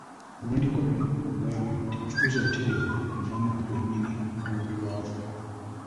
Ebiwandiiko bino ku bwabyo tebitutuusa butereevu ku mulamwa gwennyini ogwogerwako.